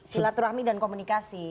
silaturahmi dan komunikasi